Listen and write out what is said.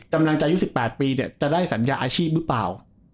หลังจากสัญญาชีวิตจังห์๒๘ปีจะได้สัญญาาชีพรึเปล่า